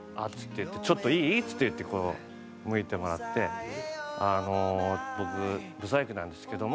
「ちょっといい？」っつってこう向いてもらって「あの僕不細工なんですけども」。